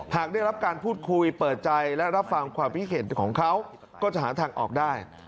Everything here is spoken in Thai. หากได้รับการพูดคุยเปิดใจและรับฟังความคิดเห็นของเขาก็จะหาทางออกได้